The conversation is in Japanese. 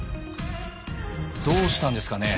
どうしたんですかね？